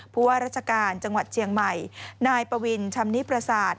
ว่าราชการจังหวัดเชียงใหม่นายปวินชำนิประสาท